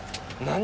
何？